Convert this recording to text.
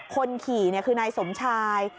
คนขี่คือนายสมชาย